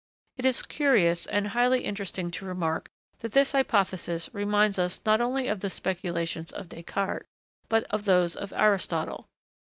It is curious and highly interesting to remark that this hypothesis reminds us not only of the speculations of Descartes, but of those of Aristotle.